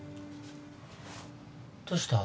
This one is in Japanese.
どうした？